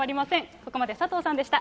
ここまで佐藤さんでした。